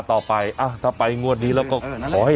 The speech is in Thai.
ต่อไปถ้าไปงวดนี้แล้วก็ขอให้